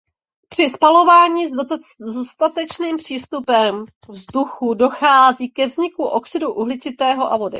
Pří spalování s dostatečným přístupem vzduchu dochází ke vzniku oxidu uhličitého a vody.